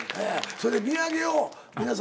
それで土産を皆様。